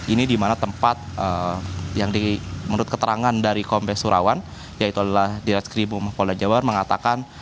ini dimana tempat yang menurut keterangan dari kompes surawan yaitu adalah direkskrim pohon pohon jawa mengatakan